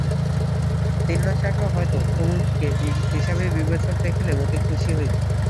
তিন মাস আগেও হয়তো কুমুদকে হিসাবি বিবেচক দেখিলে মতি খুশি হইত।